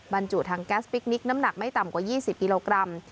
บรรจุทางแก๊สพิคนิคน้ำหนักไม่ต่ำกว่า๒๐กิโลกรัม